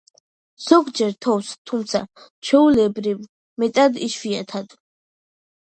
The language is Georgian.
ზოგჯერ თოვს, თუმცა ჩვეულებრივ მეტად იშვიათად.